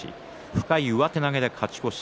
深井、上手投げで勝ち越し。